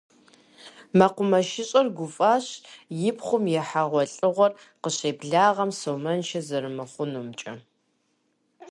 МэкъумэшыщӀэр гуфӀащ, и пхъум и хьэгъуэлӀыгъуэр къыщыблагъэм сомыншэ зэрымыхъунумкӀэ.